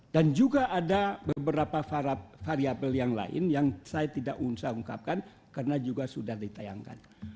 dan juga ada beberapa variabel yang lain yang saya tidak usah ungkapkan karena juga sudah ditayangkan